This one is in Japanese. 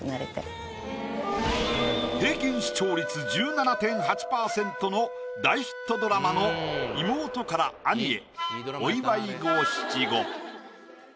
平均視聴率１７．８％の大ヒットドラマの妹から兄へ。